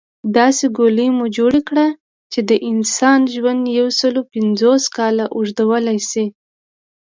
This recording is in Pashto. داسې ګولۍ مو جوړه کړه چې د انسان ژوند يوسل پنځوس کاله اوږدولی شي